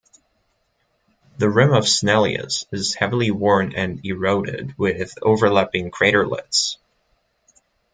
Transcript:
The rim of Snellius is heavily worn and eroded, with overlapping craterlets.